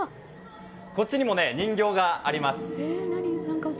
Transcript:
こっちにも人形があります。